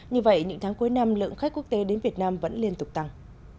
như vậy những tháng cuối năm lượng khách quốc tế đến việt nam vẫn liên tục tăng